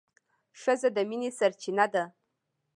ښځه د مينې سرچينه ده